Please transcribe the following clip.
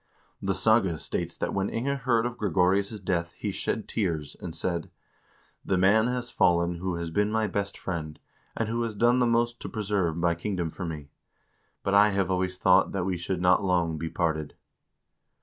The saga states that when Inge heard of Gregorious' death he shed tears and said :" The man has fallen who has been my best friend, and who has done the most to preserve my kingdom for me. But I have always thought that we should not long be parted."